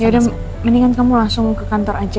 ya mendingan kamu langsung ke kantor aja